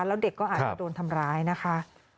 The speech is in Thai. แล้วเด็กก็อาจจะโดนทำร้ายนะคะ